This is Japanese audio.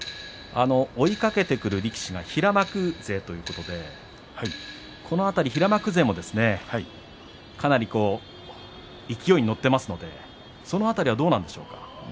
追いかけてくる力士が平幕勢ということでこの辺り平幕勢もかなり勢いに乗っていますのでその辺りはどうなんでしょうか。